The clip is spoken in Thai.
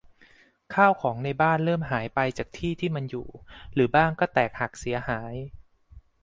ข้าวของในบ้านเริ่มหายไปจากที่ที่มันอยู่ หรือบ้างก็แตกหักเสียหาย